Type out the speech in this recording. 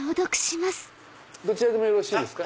どちらでもよろしいですか？